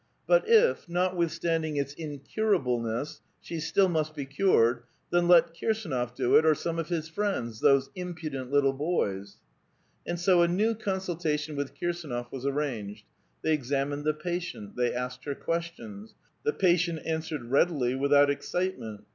But if, notwithstanding its incurableness, she still must be cured, then let Kirsdnof do it, or some of his friends, — those impudent little boys ! And so a new consultation with Kirsdnof was arranged. They examined the patient ; they asked her questions. The patient answered readily, without excitement.